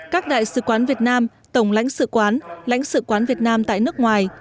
các đại sứ quán việt nam tổng lãnh sứ quán lãnh sứ quán việt nam tại nước ngoài